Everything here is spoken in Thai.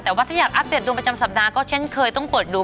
แต่ว่าถ้าอยากอัปเดตดวงประจำสัปดาห์ก็เช่นเคยต้องเปิดดู